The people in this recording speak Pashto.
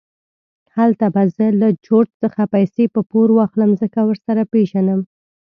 هلته به زه له جورج څخه پیسې په پور واخلم، ځکه ورسره پېژنم.